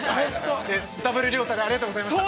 ダブルリョウタでありがとうございました。